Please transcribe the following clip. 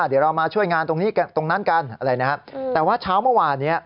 เดี๋ยวเรามาช่วยงานตรงนั้นกันแต่ว่าเช้าเมื่อวาน